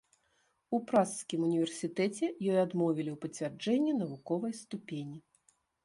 У пражскім універсітэце ёй адмовілі у пацвярджэнні навуковай ступені.